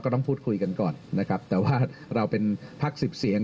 ต้องพูดคุยกันก่อนนะครับแต่ว่าเราเป็นพักสิบเสียง